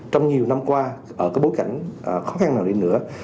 trong nhiều năm qua ở cái bối cảnh khó khăn nào đi nữa